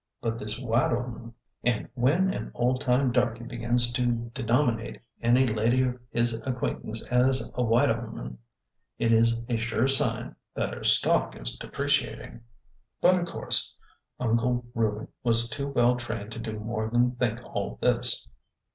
But this white 'oman! And when an old time darky begins to denominate any lady of his acquaintance a white 'oman " it is a sure sign MISS ABBY ANN ARRIVES 23 that her stock is depreciating. But, of course, Uncle Reuben was too well trained to do more than think all this.